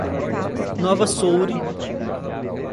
Nova Soure